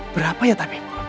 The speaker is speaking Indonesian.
berapa ya tabib